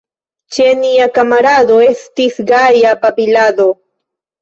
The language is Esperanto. Ĉe nia kamarado Estis gaja babilado!